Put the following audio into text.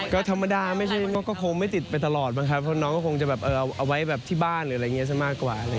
ก็ธรรมดาไม่ใช่ก็คงไม่ติดไปตลอดบ้างครับเพราะน้องก็คงจะแบบเอาไว้แบบที่บ้านหรืออะไรอย่างนี้ซะมากกว่า